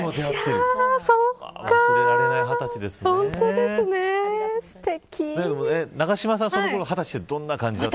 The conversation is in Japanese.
忘れられない二十歳ですね。